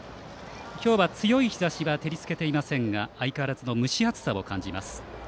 今日は強い日ざしは照りつけていませんが相変わらずの蒸し暑さを感じます。